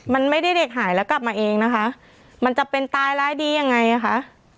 มันไม่ได้เด็กหายแล้วกลับมาเองนะคะมันจะเป็นตายร้ายดียังไงอ่ะคะ